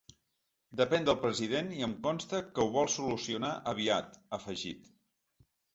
Depèn del president i em consta que ho vol solucionar aviat, ha afegit.